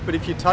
bị cô ấy